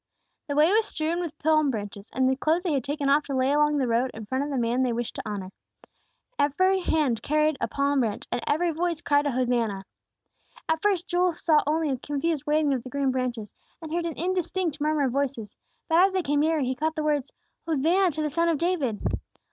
The way was strewn with palm branches and the clothes they had taken off to lay along the road in front of the man they wished to honor. Every hand carried a palm branch, and every voice cried a Hosannah. At first Joel saw only a confused waving of the green branches, and heard an indistinct murmur of voices; but as they came nearer, he caught the words, "Hosannah to the Son of David!"